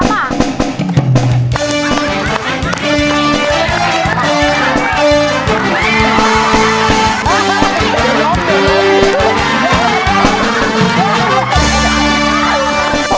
เดี๋ยวล้อมเดี๋ยวล้อม